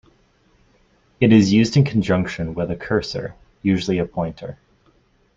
It is used in conjunction with a cursor, usually a pointer.